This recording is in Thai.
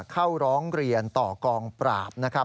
เข้าร้องเรียนต่อกองปราบนะครับ